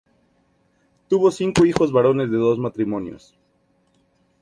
Tuvo cinco hijos varones de dos matrimonios.